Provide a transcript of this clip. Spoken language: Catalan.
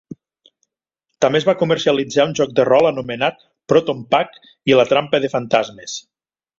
També es va comercialitzar un joc de rol anomenat "Proton Pack i la trampa de fantasmes".